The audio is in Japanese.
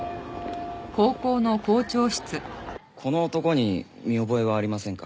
この男に見覚えはありませんか？